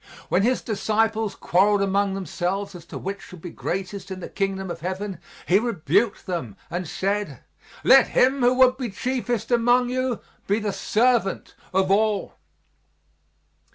When His disciples quarreled among themselves as to which should be greatest in the Kingdom of Heaven, He rebuked them and said: "Let him who would be chiefest among you be the servant of all."